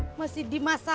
ih mesti ngebahas aja lu